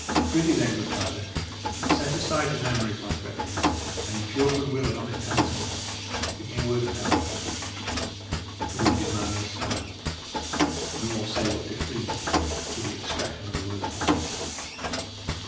Prithee, then, good Carter, set aside the memory of my threatenings, and in pure goodwill and honest penitence give me a word of help." The wounded man lay silent; nor, say what Dick pleased, could he extract another word from him.